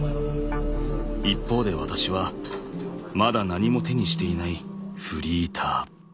一方で私はまだ何も手にしていないフリーター。